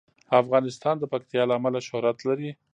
افغانستان د پکتیا له امله شهرت لري.